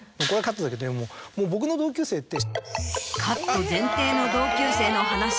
もう僕の同級生って。